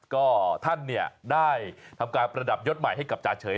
ก็ท่านเนี่ยได้ทำการประดับยศใหม่ให้กับจาเฉย